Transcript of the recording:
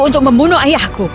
untuk membunuh ayahku